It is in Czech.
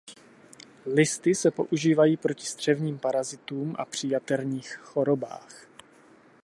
Listy se používají proti střevním parazitům a při jaterních chorobách.